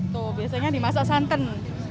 tuh biasanya dimasak santan